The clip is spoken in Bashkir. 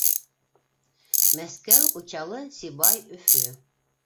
Мәскәү- Учалы-Сибай-Өфө